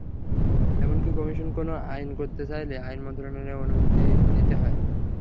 এমনকি কমিশন কোনো আইন করতে চাইলে আইন মন্ত্রণালয়ের অনুমতি নিতে হয়।